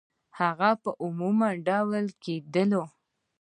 هغه په عمودي ډول کیږدئ.